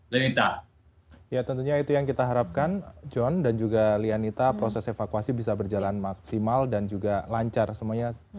lita ya tentunya itu yang kita harapkan john dan juga lianita proses evakuasi bisa berjalan maksimal dan juga lancar semuanya